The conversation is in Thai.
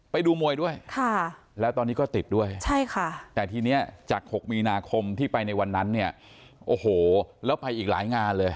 ไปดูมวยด้วยและตอนนี้ก็ติดด้วยแต่ทีนี้จาก๖มีนาคมที่ไปในวันนั้นแล้วไปอีกหลายงานเลย